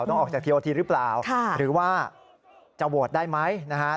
ต้องออกจากทีโอทีหรือเปล่าหรือว่าจะโหวตได้ไหมนะครับ